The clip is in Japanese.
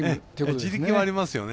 地力はありますよね。